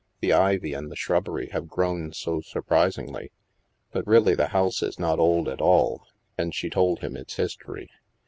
The ivy and the shrubbery have grown so surprisingly. But really the house is not old at all," and she told him its history.